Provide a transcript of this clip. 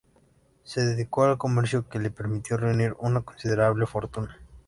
Se dedicó al comercio, que le permitió reunir una considerable fortuna.